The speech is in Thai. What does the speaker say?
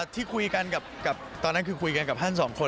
ที่คุยกันกับตอนนั้นคือคุยกันกับท่านสองคน